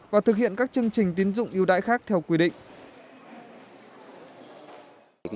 và thực hiện các chương trình tiến dụng ưu đãi khác theo quy định